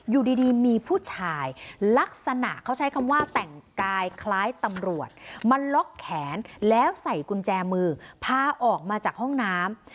อยู่ดีมีผู้ชายลักษณะเขาใช้คำว่าแต่งกายคล้ายตำรวจมาล็อกแขนแล้วใส่กุญแจมือพาออกมาจากห้องน้ำ